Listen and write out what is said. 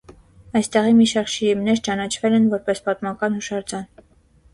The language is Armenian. Այստեղի մի շարք շիրիմներ ճանաչվել են որպես պատմական հուշարձան։